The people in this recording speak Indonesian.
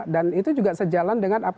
dan itu juga sejalan dengan apa